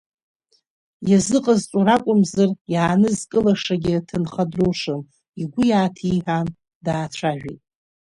Иазыҟазҵо ракәымзар, иаанызкылашагьы, ҭынха дроушам, игәы иааҭиҳәаан, даацәажәеит.